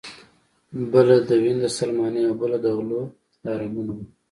بله د وین د سلماني او بله د غلو د الارمونو وه